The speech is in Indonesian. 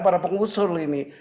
para pengusul ini